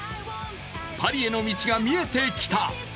パリへの道が見えてきた！